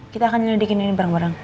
kita akan nyelidikin ini bareng bareng